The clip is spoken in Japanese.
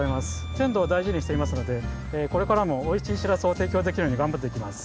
せんどをだいじにしていますのでこれからもおいしいしらすをていきょうできるようにがんばっていきます。